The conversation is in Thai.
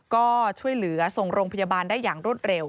ก็ช่วยเหลือส่งโรงพยาบาลได้อย่างรวดเร็ว